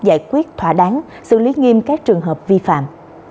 giải quyết thỏa đáng xử lý nghiêm các trường hợp vi phạm